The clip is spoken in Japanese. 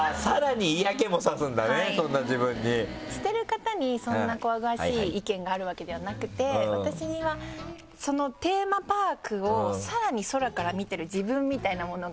してる方にそんなこわごわしい意見があるわけではなくて私にはそのテーマパークをさらに空から見てる自分みたいなものが。